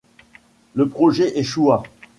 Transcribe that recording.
Le projet échoua.